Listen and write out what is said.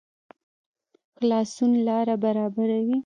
خلاصون لاره برابروي